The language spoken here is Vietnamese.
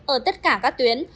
ở tất cả các tuyến